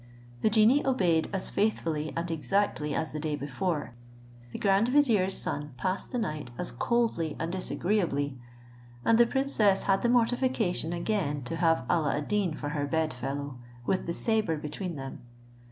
The genie obeyed as faithfully and exactly as the day before; the grand vizier's son passed the night as coldly and disagreeably, and the princess had the mortification again to have Alla ad Deen for her bed fellow, with the sabre between them.